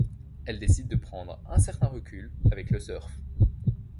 Elle décide de prendre un certain recul avec le surf.